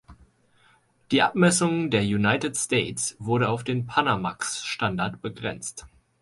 Die Abmessungen der "United States" wurden auf den Panamax-Standard begrenzt.